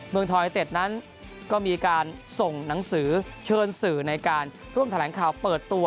ทอยเต็ดนั้นก็มีการส่งหนังสือเชิญสื่อในการร่วมแถลงข่าวเปิดตัว